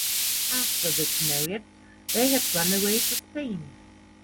After this marriage they had run away to Spain.